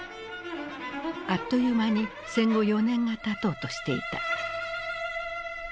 あっという間に戦後４年がたとうとしていた。